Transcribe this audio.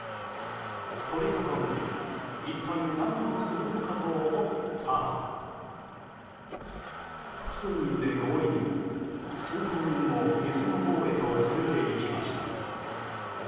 取り囲んで一体何をするのかと思ったら複数人で強引に通行人を店のほうへと連れていきました。